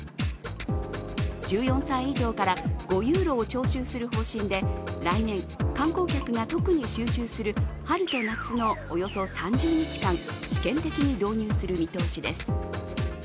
１４歳以上から５ユーロを徴収する方針で、来年、観光客が特に集中する春と夏のおよそ３０日間試験的に導入する見通しです。